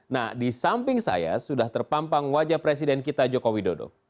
nah di samping saya sudah terpampang wajah presiden kita joko widodo